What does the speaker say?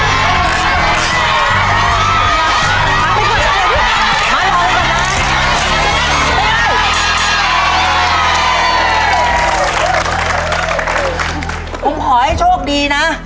ผมขอให้โชคดีนะ